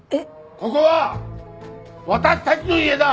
ここは私たちの家だ！